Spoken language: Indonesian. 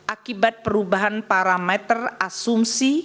akibat perubahan parameter asumsi